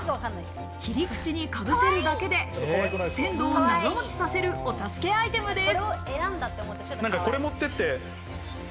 切り口にかぶせるだけで、鮮度を長持ちさせるお助けアイテムです。